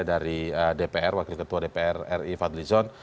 dari dpr wakil ketua dpr ri fadlizon